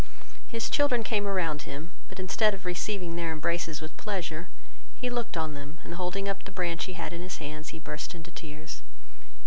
His children came around him, but, instead of receiving their embraces with pleasure, he looked on them, and, holding up the branch he had in his hands, he burst into tears.